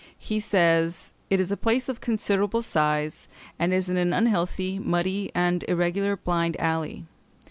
He says, "It is a place of considerable size, and is in an unhealthy, muddy, and irregular blind alley.